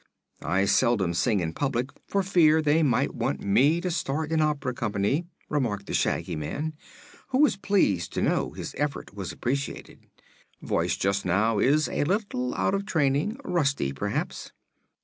"I seldom sing in public, for fear they might want me to start an opera company," remarked the Shaggy Man, who was pleased to know his effort was appreciated. "Voice, just now, is a little out of training; rusty, perhaps."